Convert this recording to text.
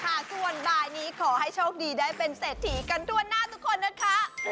ค่ะส่วนบ่ายนี้ขอให้โชคดีได้เป็นเศรษฐีกันทั่วหน้าทุกคนนะคะ